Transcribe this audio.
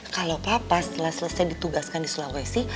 kalau papa setelah selesai ditugaskan di sulawesi